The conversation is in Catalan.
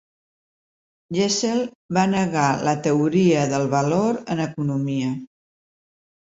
Gesell va negar la teoria del valor en economia.